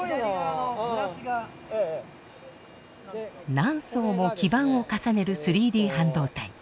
何層も基板を重ねる３Ｄ半導体。